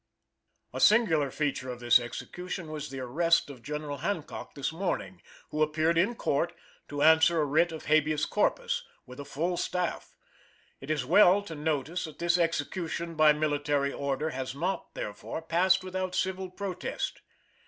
A singular feature of this execution was the arrest of General Hancock this morning, who appeared in court, to answer a writ of habeas corpus, with a full staff. It is well to notice that this execution by military order has not, therefore, passed without civil protest.